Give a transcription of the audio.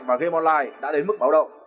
và game online đã đến mức báo động